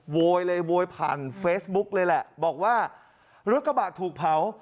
โวยเลยโวยผ่านเฟซบุ๊กเลยแหละบอกว่ารถกระบะถูกเผา